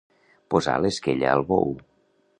Posar l'esquella al bou.